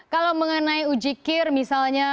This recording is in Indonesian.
kalau mengenai uji kir misalnya